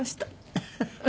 フフフフ！